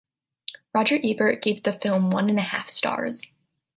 Roger Ebert gave the film one and a half stars.